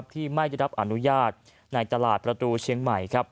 ที่ไม่ได้รับอนุญาตในตลาดประตูเชียงใหม่